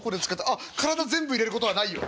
あっ体全部入れることはないよ。